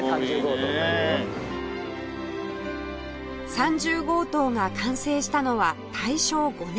３０号棟が完成したのは大正５年